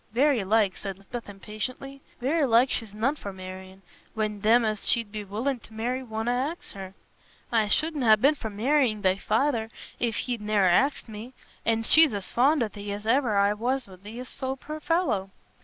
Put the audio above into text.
"Very like," said Lisbeth, impatiently, "very like she's none for marr'ing, when them as she'd be willin' t' marry wonna ax her. I shouldna ha' been for marr'ing thy feyther if he'd ne'er axed me; an' she's as fond o' thee as e'er I war o' Thias, poor fellow."